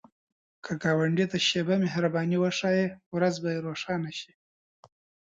که ګاونډي ته شیبه مهرباني وښایې، ورځ به یې روښانه شي